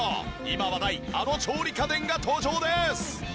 今話題あの調理家電が登場です！